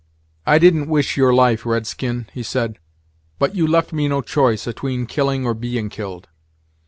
"I didn't wish your life, red skin," he said "but you left me no choice atween killing or being killed.